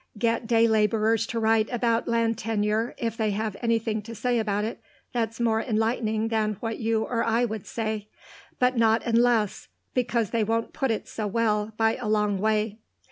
Get day labourers to write about land tenure if they have anything to say about it that's more enlightening than what you or I would say; but not unless; because they won't put it so well, by a long way.